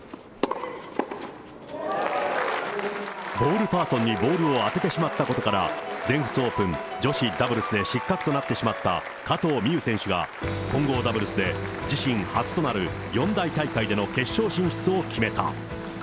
ボールパーソンにボールを当ててしまったことから、全仏オープン女子ダブルスで失格となってしまった加藤未唯選手が、混合ダブルスで自身初となる四大大会での決勝進出を決めた。